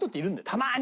たまに。